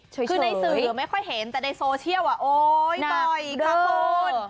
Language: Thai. คือในสื่อไม่ค่อยเห็นแต่ในโซเชียลโอ๊ยบ่อยค่ะคุณ